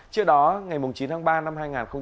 trước đó ngày chín tháng ba năm hai nghìn hai mươi